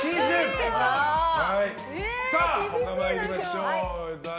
さあ、他に参りましょう。